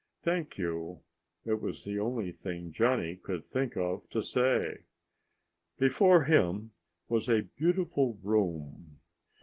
"Thank you." It was the only thing Johnny could think of to say. Before him was a beautiful room.